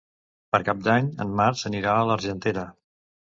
Per Cap d'Any en Max anirà a l'Argentera.